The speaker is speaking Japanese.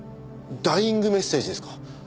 ダイイングメッセージですか？